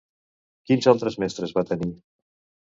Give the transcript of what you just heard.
Quins altres mestres va tenir?